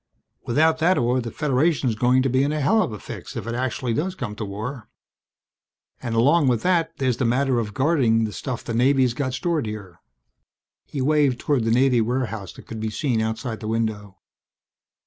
Without that ore the Federation's going to be in a hell of a fix if it actually does come to war. And along with that there's the matter of guarding the stuff the Navy's got stored here." He waved toward the Navy warehouse that could be seen outside the window.